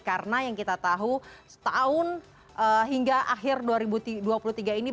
karena yang kita tahu tahun hingga akhir dua ribu dua puluh tiga ini